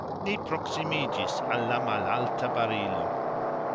Ni proksimigxis al la malalta barilo.